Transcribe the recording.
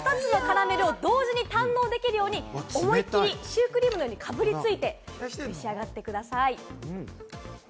２つのカラメルを同時に堪能できるように、思いっきりシュークリームのようにかぶりついてめし上がってください。